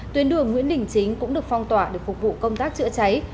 tuyến đường nguyễn đình chính cũng được phong tỏa để phục vụ công tác chữa cháy